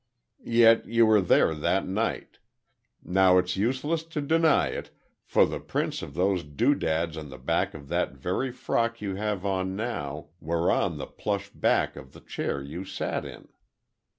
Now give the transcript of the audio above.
"Yet you were there that night. Now, it's useless to deny it, for the prints of those doodads on the back of that very frock you have on now were on the plush back of the chair you sat in.